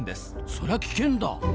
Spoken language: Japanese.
そりゃ危険だ！